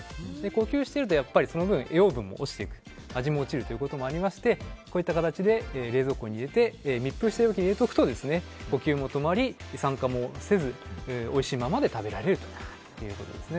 呼吸しているとその分栄養分が落ちて味も落ちるということもありまして、こういった形で冷蔵庫に入れて密封容器に入れておくと呼吸も止まり酸化もせずおいしいままで食べられると。